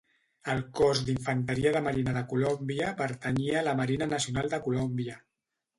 El cos d'Infanteria de Marina de Colòmbia pertanyia a la Marina Nacional de Colòmbia.